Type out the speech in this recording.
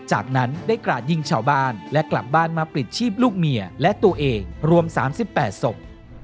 จากนั้นได้กราดยิงชาวบ้านและกลับบ้านมาปลิดชีพลูกเมียและตัวเองรวม๓๘ศพ